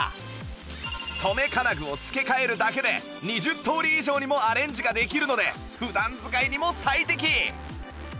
留め金具を付け替えるだけで２０通り以上にもアレンジができるので普段使いにも最適！